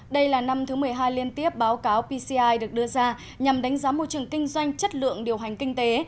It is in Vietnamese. đây là năm thứ một mươi hai liên tiếp báo cáo pci được đưa ra nhằm đánh giá môi trường kinh doanh chất lượng điều hành kinh tế